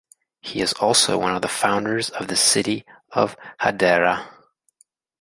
He is also one of the founders of the city of Hadera.